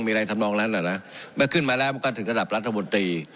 มีอะไรทำนองนั้นน่ะนะเมื่อขึ้นมาแล้วมันก็ถึงระดับรัฐมนตรี